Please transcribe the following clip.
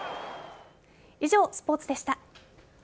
以上、スポーツでした。